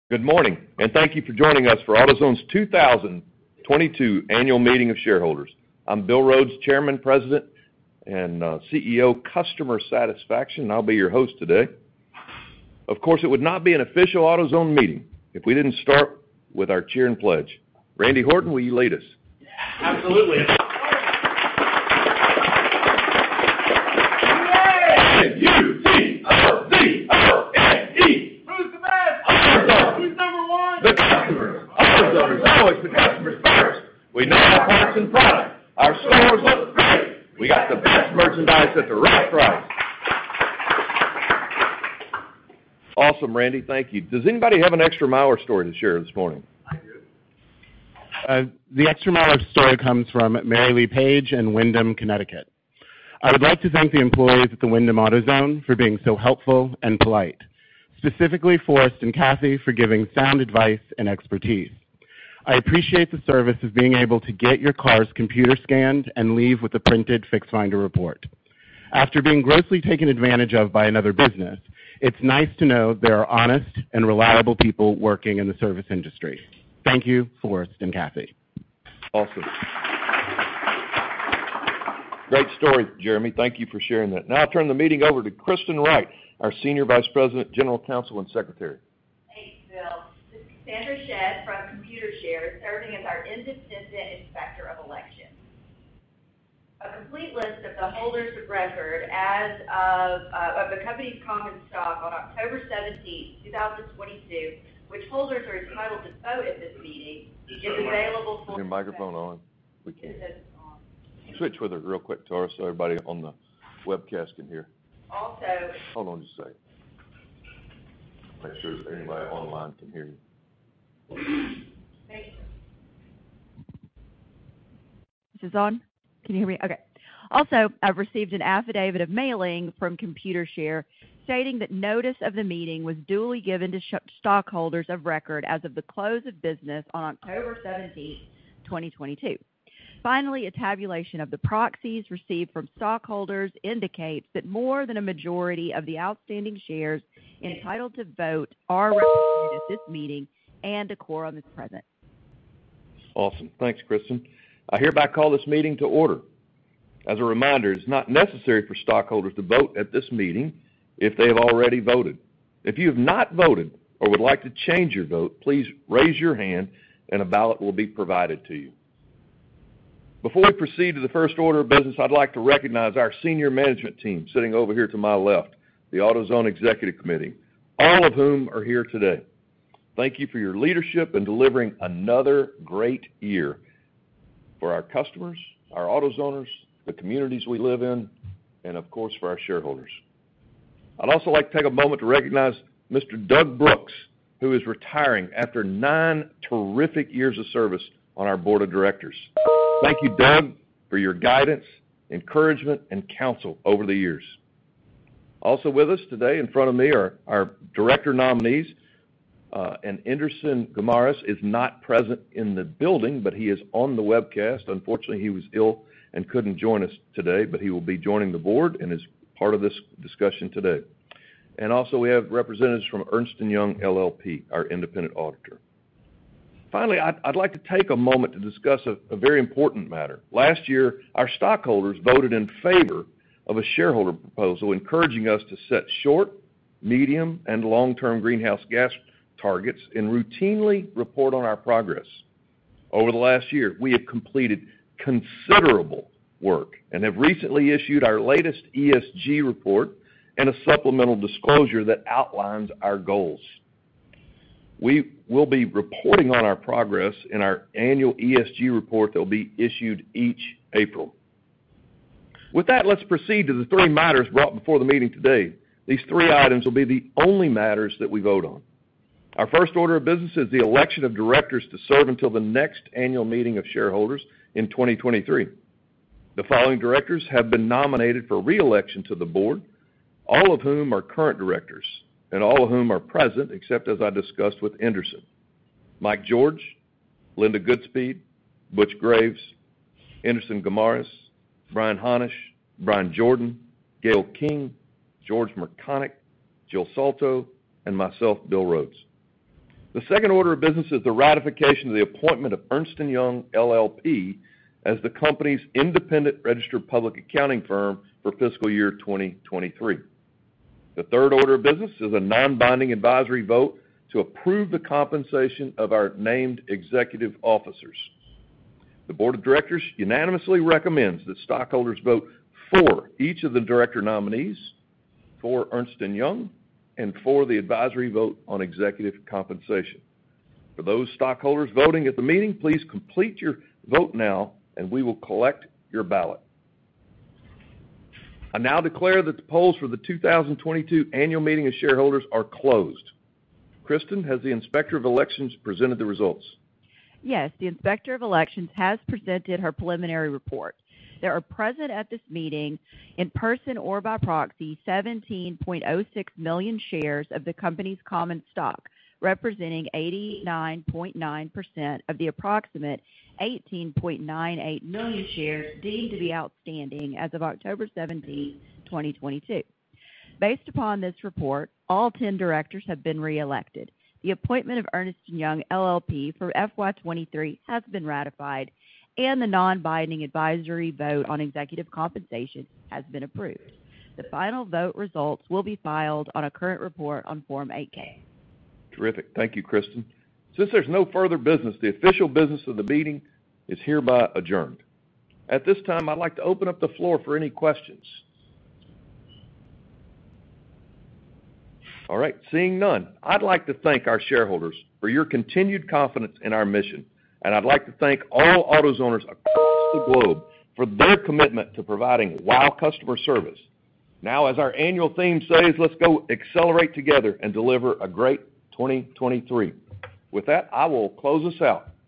Good morning, and thank you for joining us for AutoZone's 2022 Annual Meeting of Shareholders. I'm Bill Rhodes, Chairman, President, and CEO, Customer Satisfaction, and I'll be your host today. Of course, it would not be an official AutoZone meeting if we didn't start with our cheer and pledge. Randy Horton, will you lead us? Yeah. Absolutely. AutoZone. Who's the best? AutoZone. Who's number one? The customer. AutoZone always put customers first. We know our parts and products. Our stores look great. We got the best merchandise at the right price. Awesome, Randy. Thank you. Does anybody have an extra mile or story to share this morning? I do. The extra mile of story comes from Mary Lee Page in Windham, Connecticut. "I would like to thank the employees at the Windham AutoZone for being so helpful and polite, specifically Forest and Kathy, for giving sound advice and expertise. I appreciate the service of being able to get your car's computer scanned and leave with a printed Fix Finder report. After being grossly taken advantage of by another business, it's nice to know there are honest and reliable people working in the service industry. Thank you, Forest and Kathy. Awesome. Great story, Randy Thank you for sharing that. Now, I turn the meeting over to Kristen Wright, our Senior Vice President, General Counsel, and Secretary. Thanks, Bill. This is Cassandra Shedd from Computershare, serving as our independent inspector of elections. A complete list of the holders of record as of the company's common stock on October 17th, 2022, which holders are entitled to vote at this meeting, is available for. Is your microphone on? We can't It says it's on. Switch with her real quick, Cassandra, so everybody on the webcast can hear. Also Hold on just a second. Make sure anybody online can hear you. Thank you. This is on? Can you hear me? Okay. I've received an affidavit of mailing from Computershare stating that notice of the meeting was duly given to stockholders of record as of the close of business on October 17th, 2022. A tabulation of the proxies received from stockholders indicates that more than a majority of the outstanding shares entitled to vote are represented at this meeting and a quorum is present. Awesome. Thanks, Cassandra. I hereby call this meeting to order. As a reminder, it's not necessary for stockholders to vote at this meeting if they have already voted. If you have not voted or would like to change your vote, please raise your hand and a ballot will be provided to you. Before we proceed to the first order of business, I'd like to recognize our senior management team sitting over here to my left, the AutoZone Executive Committee, all of whom are here today. Thank you for your leadership in delivering another great year for our customers, our AutoZoners, the communities we live in, and of course for our shareholders. I'd also like to take a moment to recognize Mr. Doug Brooks, who is retiring after nine terrific years of service on our board of directors. Thank you, Doug, for your guidance, encouragement, and counsel over the years. Also with us today in front of me are our director nominees. Enderson Guimaraes is not present in the building, but he is on the webcast. Unfortunately, he was ill and couldn't join us today, but he will be joining the board and is part of this discussion today. Also we have representatives from Ernst & Young LLP, our independent auditor. I'd like to take a moment to discuss a very important matter. Last year, our stockholders voted in favor of a shareholder proposal encouraging us to set short, medium, and long-term greenhouse gas targets and routinely report on our progress. Over the last year, we have completed considerable work and have recently issued our latest ESG report and a supplemental disclosure that outlines our goals. We will be reporting on our progress in our annual ESG report that will be issued each April. Let's proceed to the three matters brought before the meeting today. These three items will be the only matters that we vote on. Our first order of business is the election of directors to serve until the next annual meeting of shareholders in 2023. The following directors have been nominated for reelection to the board, all of whom are current directors and all of whom are present, except as I discussed with Enderson. Mike George, Linda Goodspeed, Butch Graves, Enderson Guimaraes, Brian P. Hannasch,, Gale V. King, George R. Mrkonic, Jr., Jill A. Soltau, and myself, Bill Rhodes. The second order of business is the ratification of the appointment of Ernst & Young LLP as the company's independent registered public accounting firm for fiscal year 2023. The third order of business is a non-binding advisory vote to approve the compensation of our named executive officers. The board of directors unanimously recommends that stockholders vote for each of the director nominees for Ernst & Young and for the advisory vote on executive compensation. For those stockholders voting at the meeting, please complete your vote now. We will collect your ballot. I now declare that the polls for the 2022 annual meeting of shareholders are closed. Cassandra, has the inspector of elections presented the results? The inspector of elections has presented her preliminary report. There are present at this meeting, in person or by proxy, 17.06 million shares of the company's common stock, representing 89.9% of the approximate 18.98 million shares deemed to be outstanding as of October 17, 2022. Based upon this report, all 10 directors have been reelected. The appointment of Ernst & Young LLP for FY 2023 has been ratified, and the non-binding advisory vote on executive compensation has been approved. The final vote results will be filed on a current report on Form 8-K. Terrific. Thank you, Cassandra. Since there's no further business, the official business of the meeting is hereby adjourned. At this time, I'd like to open up the floor for any questions. All right. Seeing none, I'd like to thank our shareholders for your continued confidence in our mission. I'd like to thank all AutoZoners across the globe for their commitment to providing wow customer service. Now, as our annual theme says, let's go accelerate together and deliver a great 2023. With that, I will close this out.